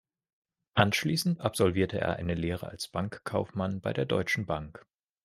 Anschließend absolvierte er eine Lehre als Bankkaufmann bei der Deutschen Bank.